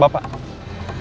lapor ke bapak